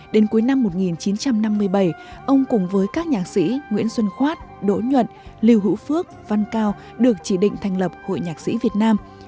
đến cuối năm một nghìn chín trăm năm mươi bảy ông cùng với các nhạc sĩ nguyễn xuân khoát đỗ nhuận lưu hữu phước văn cao được chỉ định thành lập hội nhạc sĩ việt nam